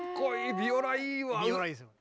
ビオラいいですね。